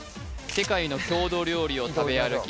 世界の郷土料理を食べ歩き